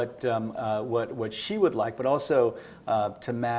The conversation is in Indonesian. untuk melakukan apa yang dia inginkan